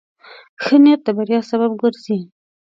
ښه نیت د بریا سبب ګرځي.